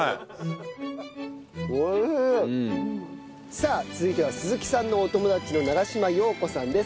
さあ続いては鈴木さんのお友達の永島陽子さんです。